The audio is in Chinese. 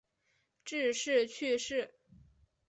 致仕去世。